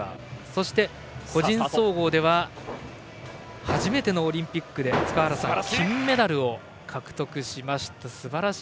そして、個人総合では初めてのオリンピックで塚原さん、金メダルを獲得しました。